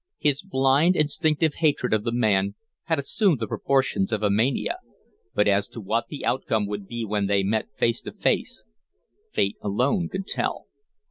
His blind, instinctive hatred of the man had assumed the proportions of a mania; but as to what the outcome would be when they met face to face, fate alone could tell.